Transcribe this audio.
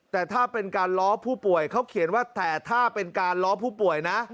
แต่ถ้าเป็นการล้อผู้ป่วยเขาเขียนว่าแต่ถ้าเป็นการล้อผู้ป่วยนะ